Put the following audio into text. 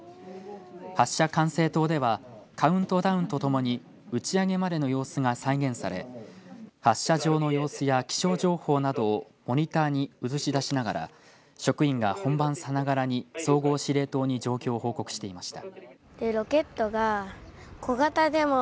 発射管制棟ではカウントダウンとともに打ち上げまでの様子が再現され発射場の様子や気象情報などをモニターに映し出しながら職員が本番さながらに総合指令棟に状況を報告していました。